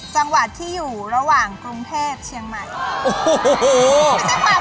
จังหวัดที่อยู่ระหว่างกรุงเทพเชียงใหม่